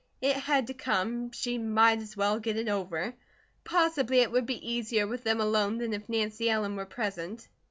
It had to come, she might as well get it over. Possibly it would be easier with them alone than if Nancy Ellen were present.